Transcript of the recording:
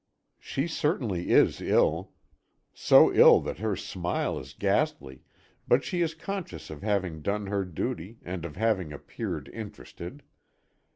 She certainly is ill; so ill that her smile is ghastly, but she is conscious of having done her duty, and of having appeared "interested."